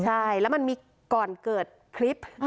ใช่แล้วมันมีก่อนเกิดคลิป